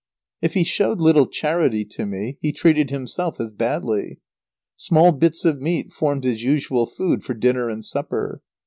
If he showed little charity to me, he treated himself as badly. Small bits of meat formed his usual food for dinner and supper.